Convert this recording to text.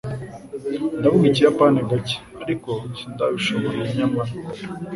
Ndavuga Ikiyapani gake, ariko sindabishoboye, nyamara.